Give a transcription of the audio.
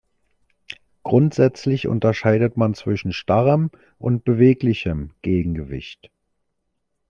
Grundsätzlich unterscheidet man zwischen starrem und beweglichem Gegengewicht.